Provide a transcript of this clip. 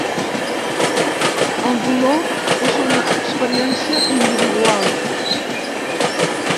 El dolor és una experiència individual.